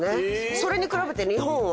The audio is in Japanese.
それに比べて日本は。